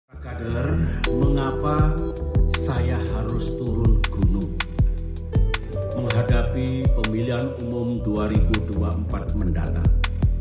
para kader mengapa saya harus turun gunung menghadapi pemilihan umum dua ribu dua puluh empat mendatang